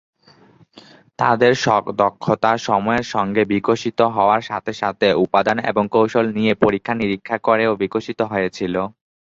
তাদের দক্ষতা সময়ের সঙ্গে বিকশিত হওয়ার সাথে সাথে উপাদান এবং কৌশল নিয়ে পরীক্ষা নিরীক্ষা করেও বিকশিত হয়েছিল।